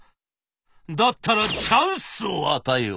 「だったらチャンスを与えよう！